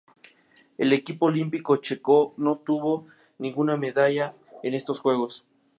El equipo olímpico checo no obtuvo ninguna medalla en estos Juegos.